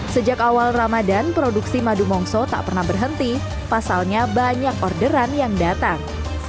sejak awal ramadan produksi madu mongso tak pernah berhenti pasalnya banyak orderan yang datang